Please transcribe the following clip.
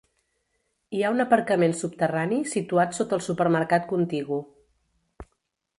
Hi ha un aparcament subterrani situat sota el supermercat contigu.